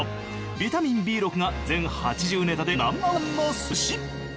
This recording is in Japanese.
ビタミンＢ６が全８０ネタでＮｏ．１の寿司！